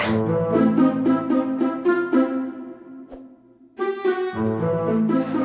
rencana b nya itu apa